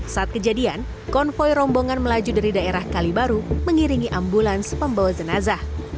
saat kejadian konvoy rombongan melaju dari daerah kalibaru mengiringi ambulans pembawa jenazah